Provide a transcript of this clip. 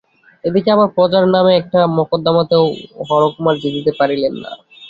এ দিকে আবার প্রজার নামে একটি মকদ্দমাতেও হরকুমার জিতিতে পারিলেন না।